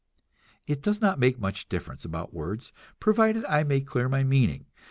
It does not make much difference about words, provided I make clear my meaning.